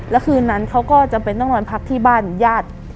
แล้วคืนนั้นเขาก็จำเป็นต้องนอนพักที่บ้านญาติ